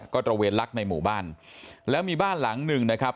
ก็ตระเวนลักในหมู่บ้านแล้วมีบ้านหลังหนึ่งนะครับ